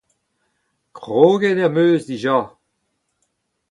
Kroget em eus dija.